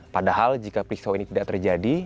padahal jika piksau ini tidak terjadi